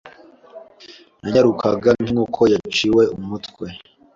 Nanyarukaga nkinkoko yaciwe umutwe